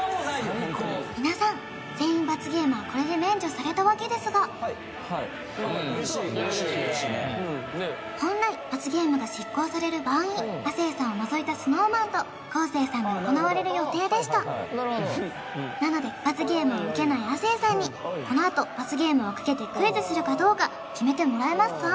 皆さん全員罰ゲームはこれで免除されたわけですがはい嬉しい嬉しいね本来罰ゲームが執行される場合亜生さんを除いたＳｎｏｗＭａｎと昴生さんで行われる予定でしたなので罰ゲームを受けない亜生さんにこのあと罰ゲームをかけてクイズするかどうか決めてもらえますか？